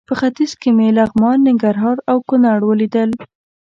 په ختیځ کې مې لغمان، ننګرهار او کونړ ولیدل.